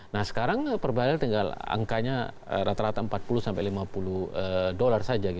nah sekarang per barrel tinggal angkanya rata rata empat puluh sampai lima puluh dolar saja